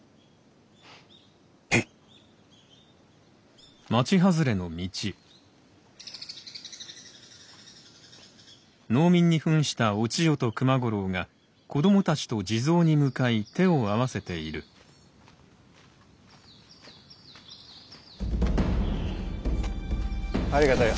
へい。ありがとよ。